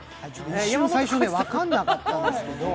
一瞬最初ね、分からなかったんですけど。